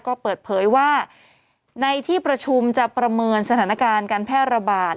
ก็เปิดเผยว่าในที่ประชุมจะประเมินสถานการณ์การแพร่ระบาด